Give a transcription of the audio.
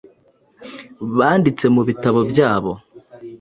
banditse mu bitabo byabo